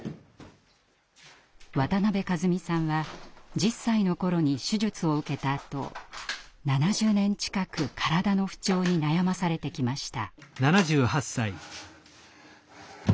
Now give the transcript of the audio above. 渡邊數美さんは１０歳の頃に手術を受けたあと７０年近く体の不調に悩まされてきました。